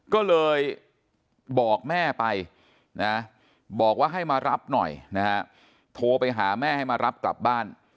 ก็เลยบอกแม่ไปนะบอกว่าให้มารับหน่อยนะฮะโทรไปหาแม่ให้มารับกลับบ้าน